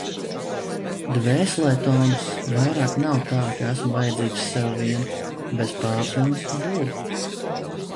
Dvēselē tonuss. Vairāk nav tā, ka esmu vajadzīgs sev vien. Bez Pārsliņas būtu...